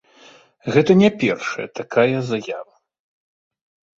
Гэта не першая такая заява.